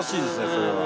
それは。